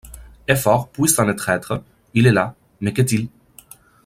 Et fort, puissant et traître ? Il est là ; mais qu’est-il ?